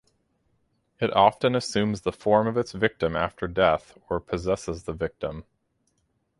It often assumes the form of its victim after death or possesses the victim.